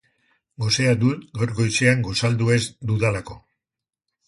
Gosea dut gaur goizean gosaldu ez dudalako.